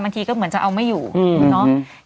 บางทีก็เหมือนจะเอาไม่อยู่อือ